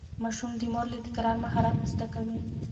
ماشوم د مور له تکرار مهارت زده کوي.